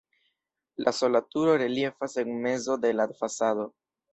La sola turo reliefas en mezo de la fasado.